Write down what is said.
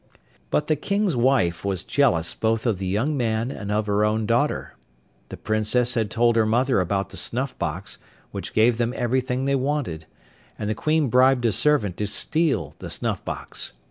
But the King's wife was jealous both of the young man and of her own daughter. The Princess had told her mother about the snuff box, which gave them everything they wanted, and the Queen bribed a servant to steal the snuff box.